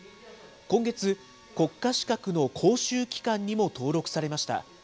今月、国家資格の講習機関にも登録されました。